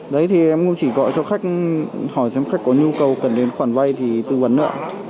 đấy thì em cũng chỉ gọi cho khách hỏi xem khách có nhu cầu cần đến khoản vay thì tư vấn ạ